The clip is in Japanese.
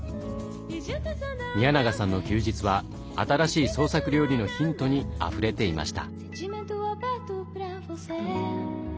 宮永さんの休日は新しい創作料理のヒントにあふれていました。